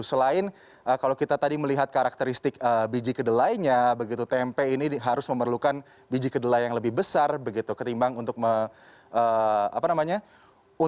selain kalau kita tadi melihat karakteristik biji kedelainya begitu tempe ini harus memerlukan biji kedelai yang lebih besar begitu ketimbang untuk membuat